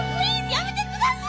やめてください。